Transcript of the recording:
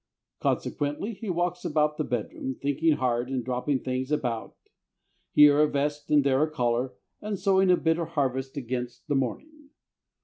Consequently he walks about the bedroom, thinking hard, and dropping things about: here a vest and there a collar, and sowing a bitter harvest against the morning.